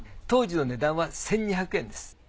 当時の値段は１，２００円です。